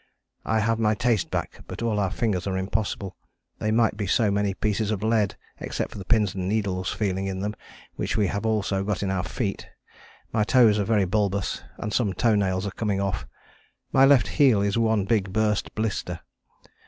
I have my taste back but all our fingers are impossible, they might be so many pieces of lead except for the pins and needles feeling in them which we have also got in our feet. My toes are very bulbous and some toe nails are coming off. My left heel is one big burst blister.